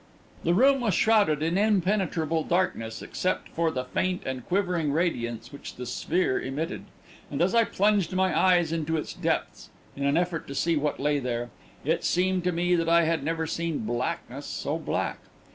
The room was shrouded in impenetrable darkness, except for the faint and quivering radiance which the sphere emitted, and as I plunged my eyes into its depths in an effort to see what lay there, it seemed to me that I had never seen blackness so black.